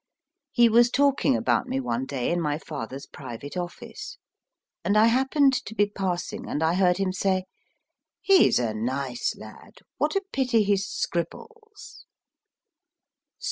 He was talking about me one day in my father s private office, and I happened to be passing, and I heard him say, He s a nice lad what a pity he scribbles